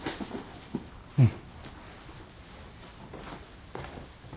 うん。